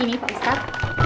ini pak staf